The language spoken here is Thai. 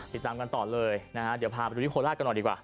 ติดตามกันต่อเลยนะฮะเดี๋ยวพาไปดูที่โคราชกันหน่อยดีกว่า